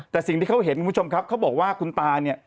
แต่สิ่งที่เขาเห็นคุณผู้ชมครับเขาบอกว่าคุณตาเนี่ย